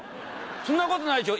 そんなことないでしょ？